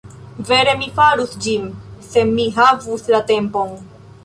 Vere mi farus ĝin, se mi havus la tempon.